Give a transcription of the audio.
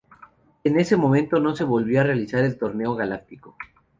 En ese momento no se volvió a realizar el Torneo Galáctico.